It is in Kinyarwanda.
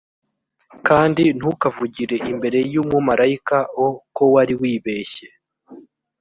kandi ntukavugire imbere y umumarayika o ko wari wibeshye